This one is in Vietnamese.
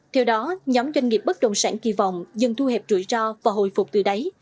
theo đó nhóm doanh nghiệp bất đồng sản kỳ vọng dần thu hẹp rủi ro và hồi phục từ đáy